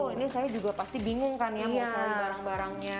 ini saya juga pasti bingung kan ya mencari barang barangnya